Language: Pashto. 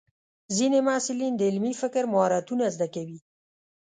ځینې محصلین د علمي فکر مهارتونه زده کوي.